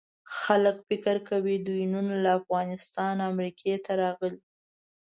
خلک فکر کوي دوی نن له افغانستانه امریکې ته راغلي.